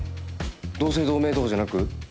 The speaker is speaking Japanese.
同姓同名とかじゃなく？